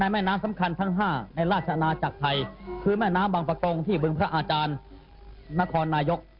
แม่น้ำสำคัญทั้ง๕ในราชอาณาจักรไทยคือแม่น้ำบางประกงที่บึงพระอาจารย์นครนายก